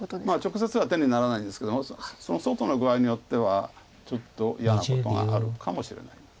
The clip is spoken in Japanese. まあ直接は手にならないんですけども外の具合によってはちょっと嫌なことがあるかもしれない。